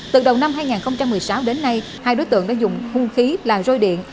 từ đầu năm hai nghìn một mươi sáu đến nay hai đối tượng đã dùng hung khí là roi điện